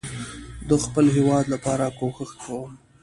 ده خپل هيواد لپاره کوښښ کوم